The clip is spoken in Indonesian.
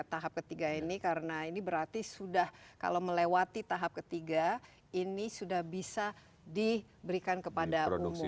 tahap ketiga ini karena ini berarti sudah kalau melewati tahap ketiga ini sudah bisa diberikan kepada umum